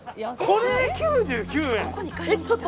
これ、９９円？